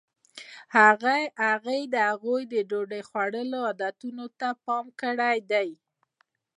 هغې د هغوی د ډوډۍ خوړلو عادتونو ته پام کړی دی.